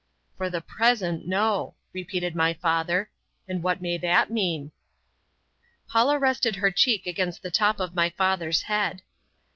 "For the present, no." repeated my father; "and what may that mean?" Paula rested her cheek against the top of my father's head.